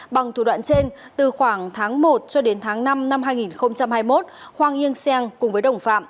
bằng thủ đoạn trên từ khoảng tháng một cho đến tháng năm năm hai nghìn hai mươi một hoàng yên xen cùng với đồng phạm